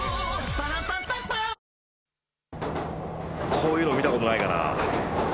こういうの見た事ないかなあ？